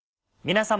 皆様。